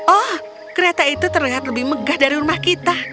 oh kereta itu terlihat lebih megah dari rumah kita